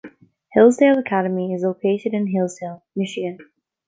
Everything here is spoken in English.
Hillsdale Academy is located in Hillsdale, Michigan.